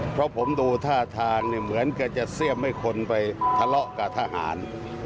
เพราะผมดูท่าทางเหมือนกันจะเสี้ยมให้คนไปทะเลาะกับทหาร